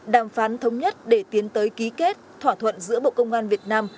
đàm phán thống nhất để tiến tới ký kết thỏa thuận giữa bộ công an việt nam